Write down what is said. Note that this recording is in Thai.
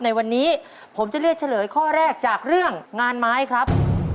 ในวันนี้ผมจะเลือกเฉลยข้อแรกจากเรื่องงานไม้ครับ